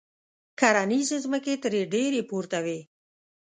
کرنیزې ځمکې ترې ډېرې پورته وې.